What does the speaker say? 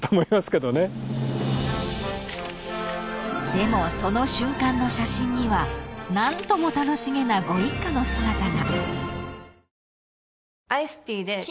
［でもその瞬間の写真には何とも楽しげなご一家の姿が］